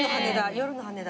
夜の羽田。